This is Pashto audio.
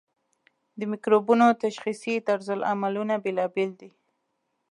د مکروبونو تشخیصي طرزالعملونه بیلابیل دي.